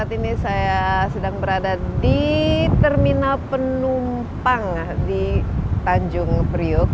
saat ini saya sedang berada di terminal penumpang di tanjung priuk